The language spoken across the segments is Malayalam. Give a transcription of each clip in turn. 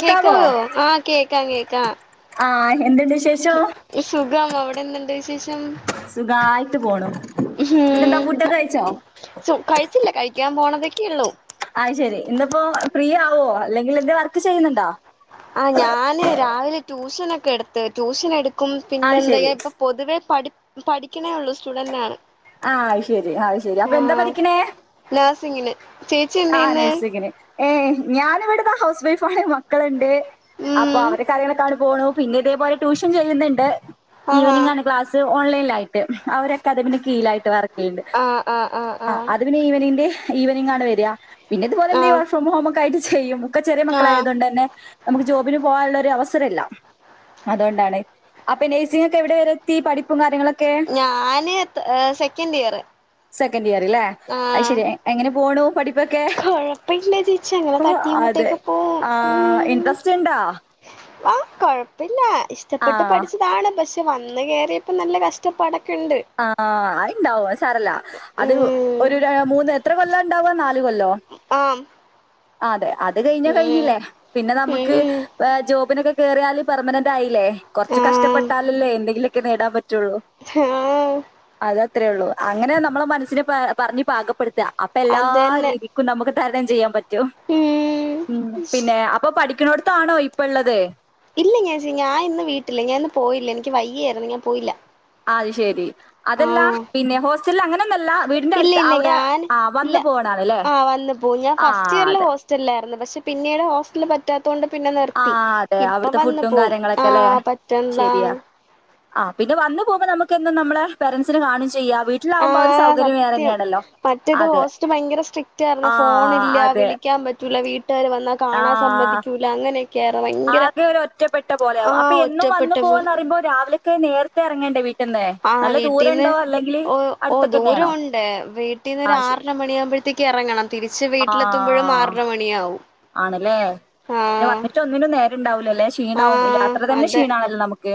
കേക്കാവോ ആഹ് കേക്കാം കേക്കാം ആഹ് എന്തുണ്ടിശേഷം ഈശുഖം അവിടെ എന്ത്ണ്ട് വിശേശം സുഖായിട്ട് പോണു പിന്നെന്താ ഫുടൊക്കഴിച്ചോ ശു കഴിച്ചില്ല കഴിക്കാൻ പോണതെക്കെള്ളൂ അയ് ശെരി ഇന്നിപ്പോ ഫ്രീ ആവോ അല്ലെങ്കിലെന്ത് വർക്ക് ചെയ്യുന്നുണ്ടോ? ആഹ് ഞാന് രാവിലെ ട്യൂഷനെക്കെടുത്ത് ട്യൂഷനെടുത്ത് ആഹ് ശരി പിന്നെന്തായാപ്പൊ പൊതുവേ പഠി പഠിക്ക്ണേ ഒള്ളൂ സ്റ്റുഡന്റാണ് ആഹ് അയ്ശെരി അയ് ശെരി അപ്പൊ എന്താ പഠിക്കണേ? നാസിങ്ങിന് ചേച്ചി എന്ത് ആഹ് യിന്ന്? നഴ്സിങ്ങിന് ഏഹ് ഞാനിവിട്പ്പ ഹൗസ് വൈഫാണ് മക്കള്ണ്ട് അപ്പൊ ഉം അവരെ കാര്യങ്ങളെക്കാണ് പോണു പിന്നിതേപോലെ ട്യൂഷൻ ചെയ്യ്ന്നുണ്ട് ആഹാ ഈവനിംഗാണ് ക്ലാസ് ത് ഓൺലൈൻലായിട്ട് ഒരക്കാദമീന്റെ കീയ്ലായിട്ട് വർ ല്ണ്ട് ആഹ് ആഹ് ആഹ് ആ ആഹ് അത് പിന്നെ ഈവനീന്റെ ഈവനിംഗാണ് വരിക പിന്നെതുപോലെ നീ ആഹ് വർ ഫ്രം ഹോമൊക്കായിട്ട് ചെയ്യും ഒക്കെ ചെറ്യ ആഹ് മക്കളായതുകണ്ട് തന്നെ നമുക്ക് ജോബിന് പോകാനുള്ള ഒരു അവസരല്ല അതുകൊണ്ടാണ് അപ്പൊ നഴ്സിംഗ ഒക്കെ എവിടെ വരെ ത്തീ പഠിപ്പും കാര്യങ്ങളൊക്കെ ഞാന് സെക്കൻഡ് ഇയറ് സെക്കൻഡ് ഇയർ ലെ അത് ശരി എങ്ങനെ പോണു പഠി കൊഴപ്പമില്ല ചേച്ചി അങ്ങനെ തട്ടീം അതെ മുട്ടീംയൊക്കെ പോവും ആഹ് ഉം ഇൻട്രസ്റ്റ് ഇണ്ടാ ആഹ് കൊഴപ്പില്ല ഇഷ്ടപ്പെട്ട് ആഹ് പഠിച്ച ഇതാണ് പക്ഷെ വന്ന് കേറിയപ്പോ നല്ല കഷ്ടപ്പാടൊക്കെ ഉണ്ട് ആ അയ്ണ്ടാവും സറല്ല അത് ഉം ഒരു ര മൂന്ന് എത്ര കൊല്ലാണ്ടാവാ നാല് കൊല്ലോ ആഹ് അതെ അത് കഴിഞ്ഞ കഴിഞ്ഞില്ലേ പിന്നെ നമുക്ക് ഉം ഹേ ജോബിനൊക്കെ കേറിയാല് പെർമനന്റ് ആയില്ലേ ആ കുറച്ച് കഷ്ടപ്പെട്ടാലല്ലേ എന്തെങ്കിലൊക്കെ നേടാൻ പറ്റൊള്ളൂ ആഹ് അതത്രേ ഒള്ളു അങ്ങനെ നമ്മളെ മനസ്സിനെ പ പറഞ്ഞ് പാകപ്പെടുത്ത അപ്പോ എല്ലാ അതന്നെ രീതി നമുക്ക് തരണം ചെയ്യാൻ പറ്റും ഉം പിന്നെ അപ്പോ പഠിക്കുന്നോടതാണോ ഇ പ്പള്ളത് ഇല്ല ചേച്ചി ഞാൻ ഇന്ന് വീട്ടില് ഞാൻ ഇന്ന് പോയില്ല എനിക്ക് വ വയ്യായിരുന്നു ഞാൻ പോയില്ല അത് ശെരി ആ അതല്ല പിന്നെ ഹോസ്റ്റലിൽ അങ്ങനെ ഒന്നല്ല വീടിന്റെ ഇല്ല അടുത്ത് ഇല്ല അവിടെ ആ വന്നു പോണാണ് ലെ പോ ഞാൻ ഫസ്റ്റ് ഇയറൽ ഹോസ്റ്റലിലായിരുന്നു പക്ഷെ പിന്നീട് ഹോസ്റ്റൽ പ പറ്റാത്തൊണ്ട് പിന്നെ ആ നിർത്തി അതെ ഇപ്പൊ അവിടുത്തെ വന്നു ഫുഡും പോകും ആ കാര്യങ്ങളൊക്കെ അല്ലേ പറ്റന്താ ശരിയാ ആ പിന്നെ വന്ന പോകുമ്പോൾ നമുക്ക് എന്നും നമ്മളെ പേരൻസിനെ കാണും ചെയ്യ വീ ആഹ് സത്യം മറ്റേത് അതെ ഹോസ്റ്റ് ഭയങ്കര സ്ട്രിക്റ്റ് ആയിരുന്നു ആ ഫോണില്ല അതെ വിളി വിക്കാൻ പറ്റൂല്ല വീട്ടുകാർ വന്നാ ആ കാണാൻ സമ്മദികൂല അങ്ങനെ ആകെ ഒറ്റപ്പെട്ട പോലെയാവും അപ്പോ ആഹ് എന്നും ഒറ്റപ്പെട്ട വന്നു പോലെ പോകുമ്പോ രാവിലെ നേരത്തെ ഇറങ്ങേണ്ടേ വീട്ടിൽ നിന്ന് ആഹ് നല്ല വീട്ടീന്ന് ദൂരമുണ്ടോ അല്ലെങ്കിൽ ഓ ഓ അടുത്തൊക്കെ ദൂരം തന്നെയാണോ ഉണ്ട് വീട്ടീന്ന് ആ ഒരു ശരി ആറര മണിയാകുമ്പോഴ് ഒറ്റക്ക് ഇറങ്ങണം തിരിച്ച് വീട്ടിലെത്തുമ്പോഴും ആറര മണിയാാവും ആണ് ലെ പിന്നെ വന്നിട്ട് ഒന്നിനും നേരം ഉണ്ടാവൂല ലെ ക്ഷീണാവും ആഹ് യാത്ര തന്നെ അതെ ക്ഷീണാണല്ലോ നമുക്ക്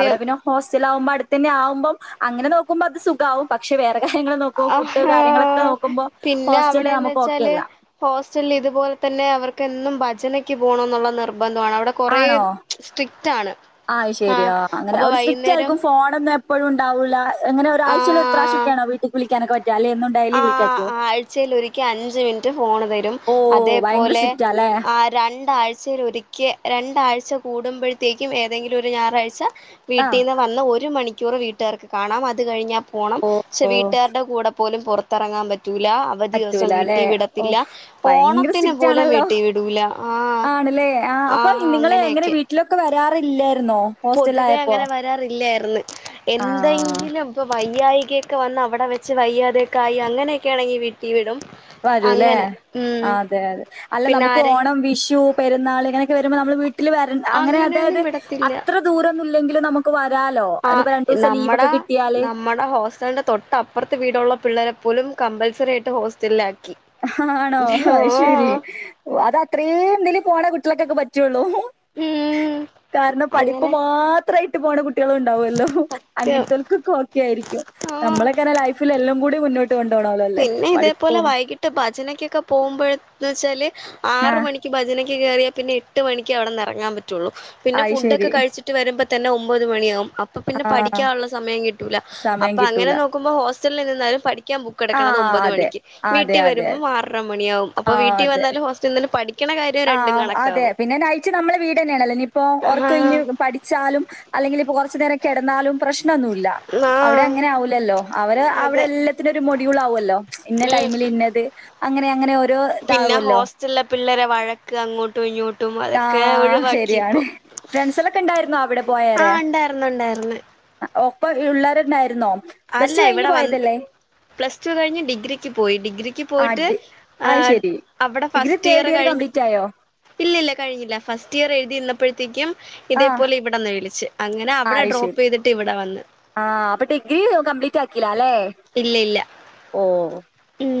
അവിടെ പിന്നെ ഹോസ്റ്റല് ആകുമ്പോ അടുത്തന്നെ ആകുമ്പോ അങ്ങനെ നോക്കുമ്പോ അത് സുഖാവും പക്ഷെ വേറെ കാര്യങ്ങൾ നോക്കുമ്പോ ഫുഡ് ആഹാ കാര്യങ്ങളൊക്കെ നോക്കുമ്പോ ഹോസ്റ്റല് നമുക്ക് ഓക്കെ അല്ല ഹോസ്റ്റല് ഇതുപോലെ തന്നെ അവർക്ക് എന്നും ഭജനയ്ക്ക് പോണം എന്നുള്ള നിർബന്ധമാണ് അവിടെ കൊറേ ആണോ? സ്ട്രിക്റ്റാണ് ആഹ് ശരിയ അങ്ങനെ ഒരു സ്ട്രിക്റ്റ് ആയിരിക്കും ഫോണൊന്നും എപ്പോഴും ഉണ്ടാവൂല എങ്ങനെ ഒരാഴ്ചയിൽ ഒരു ആഹ് പ്രാവശ്യംക്കൊ ആണോ വി കുളിക്കാനക്കോ പറ്റോ അല്ലെങ്കിൽ എന്നും ഡെയിലി ആ ആ വിളിക്കാറ്റോ? ആഴ്ചയിൽ ഒരിക്കേ അഞ്ച് മിനിറ്റ് ഫോൺ തരും ഓഹ് അതേ ഭയങ്കര പോലെ സ്ട്രിക്റ്റാല്ലേ? ആ രണ്ടാഴ്ചയിൽ ഒരിക്കെ രണ്ടാഴ്ച കൂടുമ്പോഴത്തേക്കും ഏതെങ്കിലും ഒരു ഞായറാഴ്ച്ച ആഹ് വീട്ടീന്ന് വന്ന ഒരു മണിക്കൂറ് വീട്ടുകാർക്ക് കാണാം അത് കഴിഞ്ഞാ പോണം പക്ഷേ ഓഹ് വീട്ടുകാരുടെ കൂടെ പോലും പുറത്തറങ്ങാൻ പറ്റൂല അവധി ദിവസം പറ്റൂലാല്ലേ? വീട്ടിൽ വിടത്തില്ല ഓഹ് ഭയങ്കര ഓണത്തിന് പോലും സ്ട്രിക്റ്റാണല്ലോ. വീട്ടിൽ വിടൂല ആ ആണ്ല്ലേ? ആഹ് ആ അപ്പൊ നിങ്ങള് എങ്ങനെ വീട്ടിലൊക്കെ വരാറില്ലായിരുന്നോ പൊതുവേ ഹോസ്റ്റലിലായപ്പോ? അങ്ങനെ വരാറില്ലായിരുന്നു ആഹ് എന്തെങ്കിലും ഇപ്പോൾ വയ്യായിക യൊക്കെ വന്ന് അവിടെ വെച്ച് വയ്യാതെക്കെ ആയി അങ്ങനെയൊക്കെ ആണെങ്കിൽവീട്ടിൽ വിടും വരൂ ലെ അങ്ങനെ ഉം അതെ അതെ അല്ല പിന്നെ നമുക്ക് ആരെ ഓണം വിഷു പെരുന്നാൾ ഇങ്ങനെയക്കെ വരുമ്പോൾ നമ്മൾ വീട്ടിൽ വരൻ അങ്ങനെ അതായത് അങ്ങനെയൊന്നും വിടത്തില്ല അത്ര ദൂരം ന്നുല്ലെങ്കിലും നമു വരാലോ ആ അയ്നിപ്പോ രണ്ടു ദിവസം ലീവ് നമ്മടെ ഒക്കെ കിട്ടിയാല് നമ്മടെ ഹോസ്റ്റലിന്റെ തൊട്ടപ്പുറത്ത് വീടുള്ള പിള്ളരെ പോലും കമ്പൽസറിയിട്ട് ഹോസ്റ്റലില് ആക്കി ആണോ അഹ് ശരി അത് അത്രേ ഇതിലും പോണ കുട്ടികൾകൊക്കെ പറ്റൊള്ളൂ ഉം കാരണം പഠിപ്പ് അങ്ങനെ മാത്രയിട്ട് പോണ കുട്ടികൾ ഉണ്ടാവല്ലോ സത്യം അങ്ങൻത്തെ ക്ക ഓക്കെ ആയിരിക്കും ആഹ് നമ്മളൊക്കെ ലൈഫിൽ എല്ലം കൂടി മുന്നോട്ട് കൊണ്ടുപോണോലല്ലെ പിന്നെ ഇതേപോലെ പഠിപ്പും വൈകിട്ട് ഭജനക്കൊക്കെ പോകുമ്പോഴ് വെച്ചാല് ആഹ് ആറ്മണി ഭജനയ്ക്ക് കയറിയാൽ പിന്നെ എട്ട് മണിക്ക് അവിടന്ന് ഇറങ്ങാൻ പറ്റൊള്ളൂ പിന്നെ അത് ഫുഡോക്കെ ശരി കഴിച്ച് ട്ട് വരുമ്പോ തന്നെ ഒമ്പത് മണിയാകും അ അപ്പ പിന്നെ ആഹ് പഠിക്കാനുള്ള സമയം കിട്ടൂല സമയം അപ്പൊ അങ്ങനെ കിട്ടൂല നോക്കുമ്പോ ഹോസ്റ്റലിൽ നിന്നാലും പഠിക്കാൻ കെടക്കണത് ആഹ് ഒമ്പത് അതെ മണിക്ക് വീട്ടി അതെ അതെ വരുമ്പോ ആറര മണിയാവും അപ്പൊ വീട്ടി വന്നാലും ഹോസ്റ്റലിൽ നിന്നും പഠി- ആ അതെ പിന്നെ നൈറ്റ് നമ്മളെ വീടെന്നേണല്ലോ ഇനിയിപ്പോ ആഹ് ഒറക്കൊയിഞ്ഞ് പഠി ച്ചാലും അല്ലെങ്കിലിപ്പോ കൊറച്ചു നേരം കെടന്നാലും പ്രശ്നൊന്നുല്ല അവടെ ആഹ് അങ്ങനെ ആവൂല്ലല്ലോ അവര് അവടെ അതെ എല്ലാത്തിനൊരു മൊഡ്യുളാവല്ലോ ഇന്ന ഉം ടൈമില് ഇന്നത് അങ്ങനെ അങ്ങനെ ഒ പിന്നെ ഹോസ്റ്റലിലെ പിള്ളേരെ വഴക്ക് അങ്ങോട്ടും ഇങ്ങോട്ടും അതൊക്കെ ഒഴിവാക്കി ഇപ്പോ ഫ്രണ്ട്സെളൊക്കെ ഇണ്ടായിരുന്നോ അവടെ പോയൊരെ ഉണ്ടായിരുന്നു ഉണ്ടായിരുന്നു ഒപ്പം ഇള്ളോരെന്നെയായിരുന്നോ പ്ലസ് അല്ല ടു കഴിഞ്ഞ് ഇവിടെ വന്ന് പോയതല്ലേ പ്ലസ് ടു കഴിഞ്ഞ് ഡിഗ്രിക്ക് പോയി ഡിഗ്രിക്ക് പോയിട്ട് അടി ഏ അത് ശരി. അവടെ ഡിഗ്രി ഫസ്റ്റ് ഇയർ തേർഡ് കഴിഞ്ഞ് കംപ്ലീറ്റ് ആയോ? ഇല്ല ഇല്ല കഴിഞ്ഞില്ല ഫസ്റ്റ് ഇയർ എഴുതിയിരന്നപ്പത്തേക്കും ആഹ് ഇതേപോലെ ഇവിടെന്ന് വിളിച്ച് അങ്ങനെ അവടെ ഡ്രോപെയ്തിട്ട് ഇവിടെ വന്ന് ആ അപ്പൊ ഡിഗ്രി കംപ്ലീറ്റ് ആക്കിലാല്ലേ ഇല്ല ഇല്ല ഓ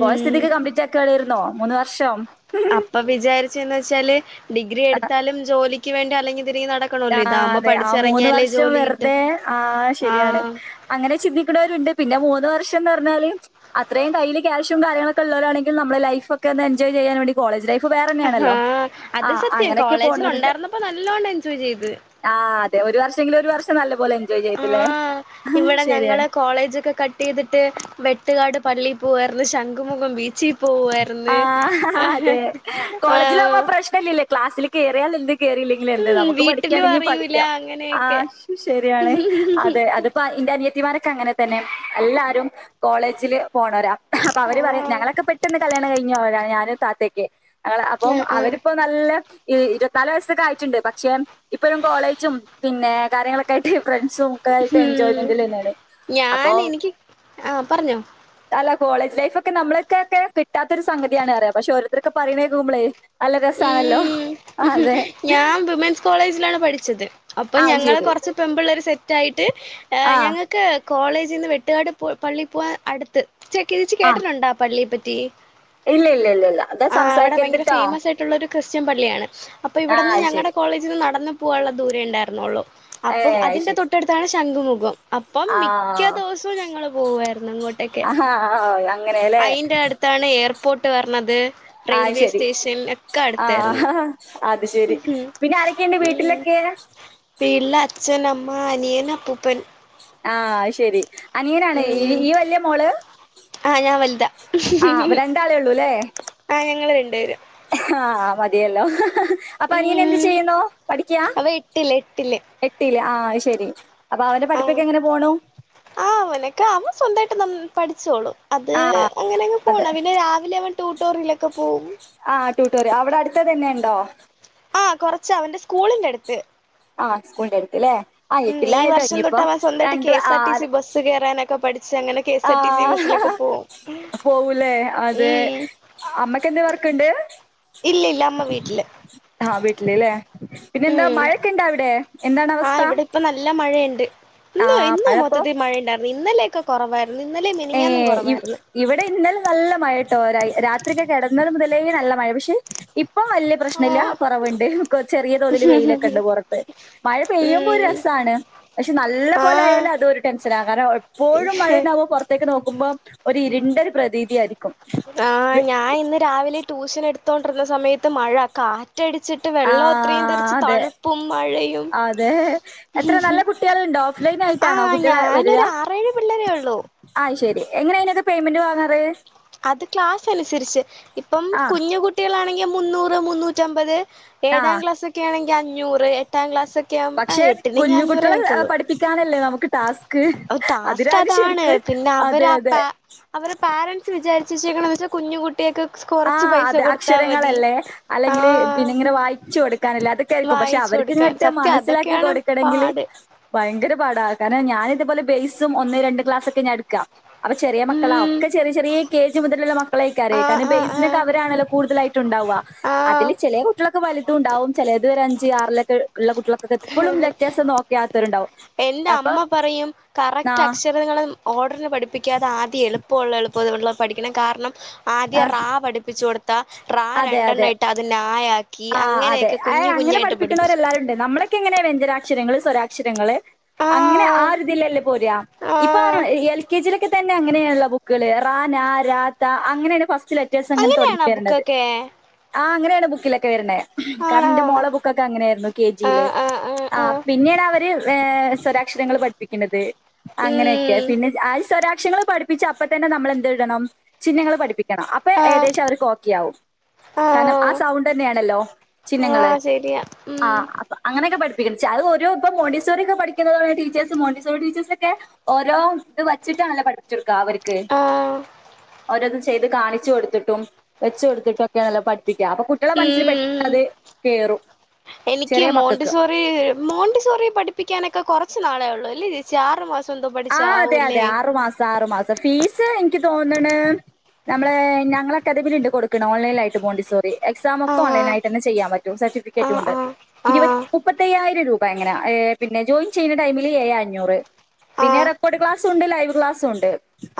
പോയ സ്ഥിതിക്ക് കംപ്ലീറ്റ് ആക്കലായിരുന്നോ മൂന്ന് വർഷം അപ്പൊ വിചാരിച്ചെന്ന് വെച്ചാല് ഡിഗ്രി എടുത്താലും ജോലിക്ക് വേണ്ടി അലഞ്ഞ് തിരിഞ്ഞ് നട ആഹ് അതെ ആ മൂന്ന് വർഷം കിട്ടും വെറ്തെ ആഹ് ശരിയാണ് ആഹ് അങ്ങനെ ചിന്തിക്കുണോര്ണ്ട് പിന്നെ മൂന്ന് വർഷംന്ന് പറഞ്ഞാല് അത്രയും കയ്യില് ക്യാഷും കാര്യങ്ങളൊക്കെള്ളോരാണെങ്കിൽ നമ്മളെ ലൈഫൊക്കെ ഒന്ന് എൻജോയ് ചെയ്യാൻ വേണ്ടി കോളേജ് ലൈഫ് വേറെന്നെയാണല്ലോ ആഹ് ആ അങ്ങനെയൊക്കെ പോണവരുണ്ട് ഇപ്പൊ നല്ലോണം എൻജോയ് ചെയ്ത് ആ അതെ ഒരു വർഷെങ്കിലും ഒരു വർഷം നല്ല പോലെ എൻജോയ് ചെയ്തല്ലേ ആഹ് ഇവിടെ ഞങ്ങള് ശരിയാണ്. കോളേജൊക്കെ കട്ടയ്തിട്ട് വെട്ടുകാട് പള്ളി പോകാരുന്നു ശംഖുമുഖം ബീച്ചി ആഹ് അതെ കോളേജിലാവുമ്പോ ആഹ് ആ പ്രശ്നല്ലല്ലോ ക്ലാസ്സില് കേയറിയാലെന്ത് കേറില്ലെങ്കിലെന്ത് ഉം നമുക്ക് വീട്ടിലും പഠിക്കയാണെങ്കി അറിയൂല പഠിക്കാം ആ അങ്ങനെയൊക്കെ ശരിയാണ് അതെ അതിപ്പ ഇന്റെ അനിയത്തിമാരൊക്കെ അങ്ങനെ തന്നെ എല്ലാരും കോളേജില് പോണോരാ അപ്പൊ അവര് പറയും ആഹ് ഞങ്ങളൊക്കെ പെട്ടന്ന് കല്യാണം കഴിഞ്ഞോരാണ് ഞാനും താത്തെക്കെ [unintelligible] അപ്പം ആഹ് ആഹ് അവരിപ്പൊ നല്ല ഇരുവത്തിനാല് വയസ്സൊക്കെ ആയിട്ട്ണ്ട് പക്ഷെ ഇപ്പഴും കോളേജും പിന്നെ കാര്യങ്ങളൊക്കെ ആയിട്ട് ഫ്രണ്ട്സും ഒക്കെ ആയിട്ട് ഉം എൻജോയ്മെന്റിലെന്നെയാണ്. ഞാൻ എനിക്ക് ആഹ് പറഞ്ഞോ അല്ല കോളേജ് ലൈഫൊക്കെ നമ്മളക്കൊക്കെ കിട്ടാത്തൊരു സംഗതിയാണ് പറയാ പക്ഷെ ഓരോര്ത്തരൊക്കെ പറേണ കേക്കുമ്പളേ നല്ല രസാണല്ലോ ഉം അതെ ഞാൻ വിമൻസ് കോളേജിലാണ് പഠിച്ചത്. അപ്പം ആ ഞങ്ങള് ശരി കൊറച്ച് പെമ്പുള്ളേര് സെറ്റായിട്ട് ആ ഞങ്ങക്ക് ക്ക് കോളേജിന്ന് വെട്ടുകാട് പള്ളി പോവാൻ അടുത്ത് ചെകെ ചേച്ചി കേട്ടിട്ടുണ്ടോ ആ പള്ളിയെ പറ്റി ഇല്ല ഇല്ല ഇല്ല ഇല്ല ഇത് സംസാരിക്കര്ത്ട്ടോ ക്ക്ള്ളൊരു ക്രിസ്ത്യൻ പള്ളിയാണ്. അപ്പൊ ഇവിടുന്ന് ഞങ്ങടെ അയ്ശരി കോളേജിന്ന് നടന്നു പോവാനുള്ള ദൂരെ ഇണ്ടായിരൊന്നുള്ളൂ ഏ അപ്പം അതിന്റെ അയ്ശരി തൊട്ടടുത്താണ് ശംഖുമുഖം അപ്പം ആ മിക്ക ദിവസോം ഞങ്ങള് പോവായിരുന്നു അങ്ങോട്ടൊക്കെ ആഹാ അങ്ങനെല്ലേ അയ്ന്റെ അട്ത് ത്താണ് എയർപോർട്ട് വരണത് ആ റെയിൽവേ ശരി സ്റ്റേഷൻ ഒക്കെ ആ അടുത്തായിരുന്നു അത് ശെരി. ഉം പിന്നെ ആരൊക്കെണ്ട് വീട്ടിലൊക്കെ? വീട്ടിൽ അച്ഛൻ അമ്മ അനിയൻ അപ്പൂപ്പൻ ആ അത് ശരി അനിയനാണ് ഈ ഉം ഇയ് വല്യ മോള് ആഹ് ഞാൻ വൽതാ ആഹ് അപ്പൊ രണ്ടാളൊള്ളൂല്ലേ ആഹ് ഞങ്ങള് രണ്ട് പേര് ആഹ് മതിയല്ലോ അപ്പോ അനിയനെന്ത് ഉം ചെയ്യുന്നു പഠിക്ക അവൻ എട്ടില് എട്ടില് എട്ടില് ആഹ് അത് ശരി അപ്പൊ അവന്റെ പഠിപ്പൊക്കെ എങ്ങനെ പോണു? ആഹ് അവനൊക്കെ അവൻ സ്വന്തായിട്ട് നൽ പഠിച്ചോളും. അത് ആ അങ്ങനെങ് അതെ പോണ് പിന്നെ രാവിലെ അവൻ ടൂട്ടോറിലൊക്കെ പോവും. ആഹ് ട്യൂട്ടോറിയ അവിടെടുത്തത് തന്നെയുണ്ടോ ആഹ് കൊറച്ച് വന്റെ സ്കൂളിന്റടുത്ത് ആഹ് സ്കൂളിന്റടുത്തിലെ ആഹ് ഉം ഈ എട്ടില്ലായല്ലോ വർഷം ഇനിയിപ്പോ തൊട്ട് അവൻ സ്വന്തമായിട്ട് കെ രണ്ടു എസ് ആർ ആറ് [unintelligible] കയറാനൊക്കെ പടി ക്ഷെ അങ്ങനെ കെ എസ്ആർ ടി സി ബസിലൊക്കെ പോകും ഉം അമ്മയ്ക്കെന്ത് വർക്ക്ണ്ട് ഇല്ലല്ല അമ്മ വീട്ടില് ആഹ് വീട്ടില്ല്ലേ പിന്നെ ന്താ മഴൊക്കെ ണ്ടാ അവിടെ എന്താണ് ആഹ് അവസ്ഥ ഇവിടെ ഇപ്പ നല്ല മഴയ്ണ്ട് ആ ഇന്ന് ഇന്ന് മഴപ്പോ മൊത്തത്തിൽ മഴയ്ണ്ടായിരുന്നു ഇന്നലോക്കെ കൊറവായിരുന്നു ഇന്നലെ ഏ മിനിഞ്ഞാനും ഇവ് കൊറവായിരുന്നു ഇവിടെ ഇന്നലെ നല്ല മഴ ട്ടോ രായി രാത്രിക്കെ കെടന്നതു മുതലേ നല്ല മഴ പക്ഷെ ഇപ്പൊ വലിയ പ്രശ്നല്ല കൊറവുണ്ട്, ചെറിയ തോതില് വെയിലൊക്കെ ണ്ട് പോറത്ത് മഴ പെയ്യുമ്പോരു രസാണ് പക്ഷെ നല്ല പോലെ ആ ആയാലും അതോരു ടെൻഷനാ കാരണം ഉം എപ്പോഴും ആ മഴാന്നെ പോ ത്തേക്ക് നോക്കുമ്പോ ഒരു ഇരുണ്ടൊരു പ്രതീതിയായിരിക്കും ആഹ് ഞാൻ ഇന്ന് രാവിലെ ട്യൂഷൻ എടുത്തോണ്ടിർന്ന സമയത്ത് മഴ കാ റ്റടിച്ചിട്ട് ആ വെള്ളം ത്രയും തെറിച്ച് അതെ തണുപ്പും മഴയും അതെ എത്ര നല്ല കുട്ടികളുണ്ടോ ഓഫ്‌ലൈൻ ആയിട്ടാണോ ആഹ് ഞാനൊരു ആറേഴ് പിള്ളരോള്ളൂ ഐശെരി എങ്ങനെയായിനോക്കെ പേയ്മെന്റ് വാങ്ങാറ് അത് ക്ലാസനുസരിച്ച് ഇപ്പം ആ കുഞ്ഞു കുട്ടിളാണെങ്കിൽ മുന്നൂറ് മുന്നൂറ്റമ്പത് ആ ഏഴാം ക്ലാസൊക്കെ ആണെങ്കിൽ അഞ്ഞൂറ് എട്ടാം ക്ലാസ് പക്ഷെ കുഞ്ഞു കുട്ടികളെ പഠിപ്പിക്കാനല്ലേ നമുക്ക് ടാസ് ഓഹ് ടാസ്ക് അതാണ് പിന്നെ അതെ അവരാ അതെ പ അവരെ പാരൻസ് വിചാരിച്ചേച്ക്കണ വചാൽ കുഞ്ഞു കുട്ടിയേൽക്ക് ആഹ് അതെ അക്ഷരങ്ങളല്ലേ അല്ലെങ്കിൽ ആഹ് പിന്നെ ങ്ങനെ വായിച്ചു കൊടുക്കാനല്ലേ അത്ക്കെ യിരിക്കും പക്ഷെ വായിച്ചു അവർക്ക് കൊടുക്കാൻ ഇങ്ങട്ട് സത്യം മനസ്സിലാക്കി അതൊക്കെയാണ് കൊടുക്കണെങ്കില് പാട് ഭയങ്കര പാടാ കാരണം ഞാനതുപോലെ ബേസും ഒന്ന് രണ്ട് ക്ലാസ്സക്കെ ഞാൻ എടുക്കാ അപ്പൊ ചെറിയ മക്കളാ ഉം ഒക്കെ ചെറിചെറീ കെ ജി മുതലുള്ള മക്കളായിക്കാരം ആഹ് കാരണം ആഹ് ബെസ് നി ആഹ് ക്കെവരാണല്ലോ കൂടുതലായിട്ട് ണ്ടാവ്വ ആഹ് അതില് ചെല കുട്ടികളോക്കെ വലിതുംണ്ടാവും ചെലത് ഒരു അഞ്ച് ആറിലൊക്കെ ള്ള കുട്ടിള്കൊക്കെപ്പഴും ലെല്ലേഴ്‌സ് നോക്ക യാത്തൊരുണ്ടാവും എന്റെ അമ്മ പറയും കറക്റ്റ് ആഹ് അക്ഷരങ്ങള് ഓർഡറില് പഠിപ്പിക്കാതെ ആദ്യ എളുപ്പള്ളളുപ്പംള്ള പഠിക്കണം കാരണം ആദ്യ ആഹ് റാ പഠിപ്പിച്ചുടുത്താൽ റാ അതെ അതെ രണ്ടെണ്ണ ഇട്ട് അത് നാ യാ ആഹ് അതെ എഹ് അങ്ങനെ പഠിപ്പിക്കുന്നവരെല്ലാവരു നമ്മളൊക്കെ ങ്ങനെ വ്യഞ്ജനാക്ഷരങ്ങള് സ്വരാക്ഷരങ്ങള് അങ്ങനെ ആഹ് ആ ഒരിതിലല്ലേ പോരാ ഇപ്പ ആഹ് എൽ കെ ജിയിലൊക്കെ തന്നെ അങ്ങനെയുള്ള ബുക്കള് റാ നാ രാ താ അങ്ങനെയാണ് ഫസ്റ്റ് ലെറ്റേഴസ് ങ്ങനെ തോടങ്ങി അങ്ങനെയാണോ വരണത് ബുക്കൊക്കെ ആ അങ്ങനെയാണ് ബുക്കിലൊക്കെ വര്ണേ കാരണം ആണോ ന്റെ മോള ബുക്കൊക്കെ അങ്ങനെയിരുന്നു കെ ജിയില് ആഹ് ആഹ് ആഹ് ആ ആഹ് പിന്നീട് അവര് എഹ് സ്വ ക്ഷരങ്ങള് പഠപ്പിക്കുന്നത് അങ്ങനോക്കെ ഉം പിന്നെ ആ സ്വരാക്ഷര പടി പ്പിച്ച അപ്പ തന്നെ നമ്മൾ എന്തെഴ് തണം ചിഹനങ്ങള് പഠപ്പി കണ്ണം അപ്പൊ ആഹ് ഏദേശം അവർക്ക് ഓക്കെ ആവും ആഹ് കാരണം ആ സൗ ണല്ലോ ചിഹ്നങ്ങൾ ആഹ് ശരിയാ ഉം ആഹ് അപ്പ അങ്ങനെക്കെ പഠിപ്പി ച്ച ഐ ഒരു പ്പൊ മോണ്ടിസരി ഒക്കെ പഠിക്കതാണ് ടീച്ചേ്സ് മോണ്ടസറി ടിച്ചേഴ് നോക്കെ ഓരോ ത് വെച്ചട്ട ണല്ലോ പഠി ച്ചുക്ക അവർക്ക് ആഹ് ഓരത് ചെയ്ത് കാണിച്ചു കൊടുത്തിട്ടും വെച്ച് കൊടുത്തിട്ടൊക്കെയണല്ലോ പഠപ്പിക്ക അപ്പൊ കു ട്ട്യോളെ മനസ്സിൽ ഉം പെട്ടന്ന ത് കേറും ചെറിയ മക്കക്ക് മേ മോണ്ടിസോറി പഠിപ്പിക്കാനൊക്കെ കൊറച്ചു നാളേള്ളു അല്ലേ ചേച്ചി ആറുമാസ ആഹ് അതെ അതെ ആറുമാസം ആറുമാസം ഫീസ് എനിക്ക് തോന്നണ് നമ്മള് ഞങ്ങളൊക്കെ അതിൽ പിന്ന ഉണ്ട് കൊടുക്കണ്‌ ഓൺ ലൈനായിട്ട് പോണ്ടിസ എക്സാംമൊക്കെ ഓൺലൈനാ ആ യിട്ടെന്നെ ചെയ്യാൻ പറ്റും ആ സർട്ടിഫിക്കറ്റും ണ്ട് ആ ആ ഇരുപ ആ മുപ്പത്തയ്യായിരം രൂപ എങ്ങന ഏ പിന്നെ ജോയിൻ ചെയ്യുന്ന ടൈമില് ഏഴെ അഞ്ഞൂറ് ആ പിന്നെ റെക്കോർഡ് ക്ലാസ് ഉണ്ട് ലൈവ് ക്ലാസ്സു ഉണ്ട്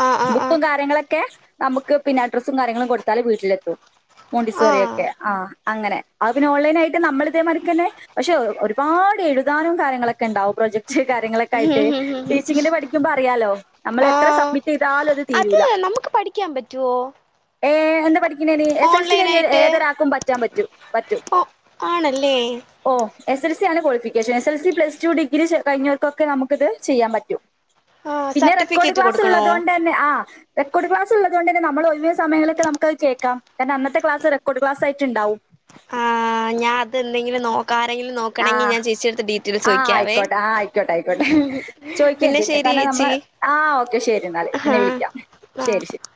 ആ ആ ബുക്കും കാര്യങ്ങളൊക്കെ നമുക്ക് പിന്നെ അഡ്രസ്സും കാര്യങ്ങളും കൊടുത്താല് വീട്ടിലെത്തും ആ മോണ്ടിസോറിയൊക്കെ ആഹ് അങ്ങനെ അത് പിന്നെ ഓൺലൈനായിട്ട് നമ്മള ഇതേമാതിക്കന്നെ പക്ഷെ ഒരുപാട് എഴുതാനും കാര്യങ്ങളൊക്കെണ്ടാവും പ്രൊജക്ട് കാര്യങ്ങളൊക്കെ ആയിട്ട് ടീച്ചിങ്ങിന് പഠിക്കുമ്പോ അറിയാലോ നമ്മള ആ എത്ര സബ്മിറ്റ് ചെയ്താലും അത് തീരൂല പഠിക്കാൻ പറ്റോ? ഏഹ് എന്താ പഠിക്കണെന് എസ് എൽ സി കഴിഞ്ഞ ആയിട്ട് ഏതൊരാക്കും പറ്റാൻ പറ്റും പറ്റും ഓ ആണല്ലേ ഓഹ് എസ് എൽ സി ആണ് qualification S L C plus two degree കഴിഞ്ഞവർക്കൊക്കെ നമുക്കിത് ചെയ്യാൻ പറ്റും ആ പിന്നെ റെക്കോർഡ് സർട്ടിഫിക്കറ്റ് ക്ലാസ് കൊടുക്കണോ ഉള്ളത് കൊണ്ട് തന്നെ ആഹ് റെക്കോർഡ് ക്ലസ്ള്ളത്കൊണ്ട് ന്നെ നമ്മൾ ഒഴിവ് സമയിലക്കെ നമുക്കത് കേൾക്കാം കാരണം അന്നത്തെ ക്ലാസ് റെക്കോഡ് ക്ലാസായിട്ടുണ്ടാവും ആഹ് ഞാ അത് എന്തെങ്കിലും നോക്ക ആരെങ്കിലും നോക്ക ആ ക്കണെങ്കി ഞാൻ ചേച്ചി എടുത്ത് ഡീറ്റെയിൽസ് ആഹ് ചോയ്ക്കാവേ ആയിക്കോട്ടെ ആഹ് ആയിക്കോട്ടെ ആയിക്കോട്ടെ പിന്നെ ചോദിക്കേണ്ടി ശരി കാരണം ഏച്ചി നമ്മള് ആഹ് ഓക്കെ ശരി ന്നാല് പിന്നെ വിളിക്കാം ആ ശെരി ശെരി